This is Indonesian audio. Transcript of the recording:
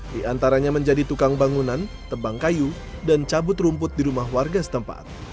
di antaranya menjadi tukang bangunan tebang kayu dan cabut rumput di rumah warga setempat